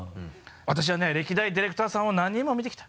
私はね歴代ディレクターさんを何人も見てきた。